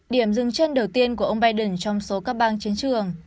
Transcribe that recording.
điểm dừng chân đầu tiên của ông biden trong số các bang chiến trường